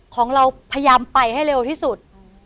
ของเราพยายามไปให้เร็วที่สุด